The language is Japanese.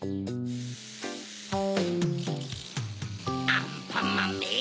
アンパンマンめ。